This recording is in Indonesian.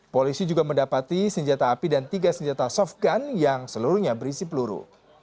polisi juga mendapati senjata api dan tiga senjata soft gun yang seluruhnya berisi peluru